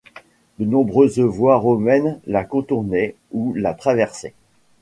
De nombreuses voies romaines la contournaient ou la traversaient.